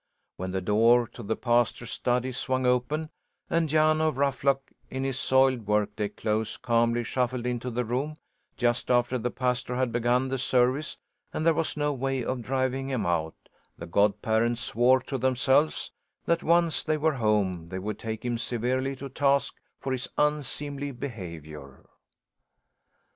When the door to the pastor's study swung open and Jan of Ruffluck in his soiled workaday clothes calmly shuffled into the room, just after the pastor had begun the service and there was no way of driving him out, the godparents swore to themselves that once they were home they would take him severely to task for his unseemly behaviour.